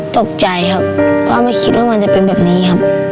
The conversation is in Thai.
ตกใจครับว่าไม่คิดว่ามันจะเป็นแบบนี้ครับ